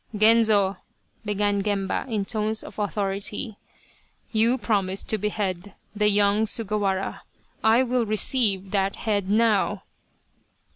" Genzo !" began Gemba, in tones of authority, " you promised to behead the young Sugawara I will receive that head now